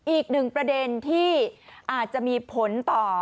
อีกหนึ่งประเด็นที่อาจจะมีผลต่อ